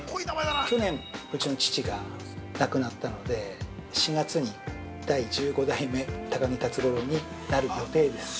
去年、うちの父が亡くなったので４月に第１５代目高木辰五郎になる予定です。